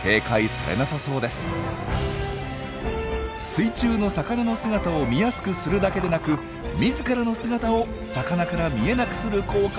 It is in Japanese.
水中の魚の姿を見やすくするだけでなく自らの姿を魚から見えなくする効果まであったとは！